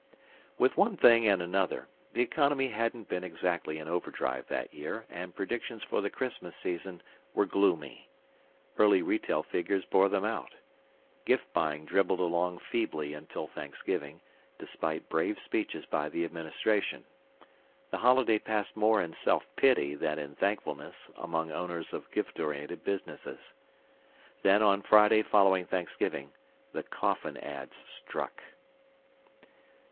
With one thing and another, the economy hadn't been exactly in overdrive that year, and predictions for the Christmas season were gloomy. Early retail figures bore them out. Gift buying dribbled along feebly until Thanksgiving, despite brave speeches by the Administration. The holiday passed more in self pity than in thankfulness among owners of gift oriented businesses. Then, on Friday following Thanksgiving, the coffin ads struck.